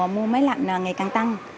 mua máy lạnh ngày càng tăng